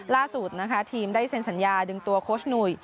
ล่าสุดนะคะทีมได้เซ็นสัญญาดึงตัวโค้ชหนุ่ย